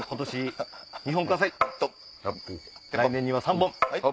来年には３本！